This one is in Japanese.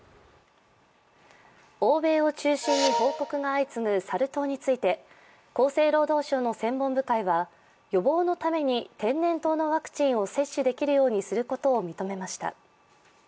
欧米を中心に報告が相次ぐサル痘について厚生労働省の専門部会は予防のために天然痘のワクチンを接種できるようにすることを認めました。